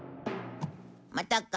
またか。